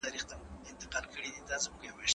حکومتونه بايد د خلګو غوښتنو ته پام وکړي.